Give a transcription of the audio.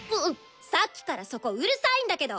さっきからそこうるさいんだけど！